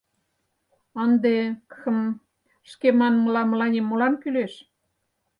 Ынде... кхм... шке манмыла, мыланем молан кӱлеш.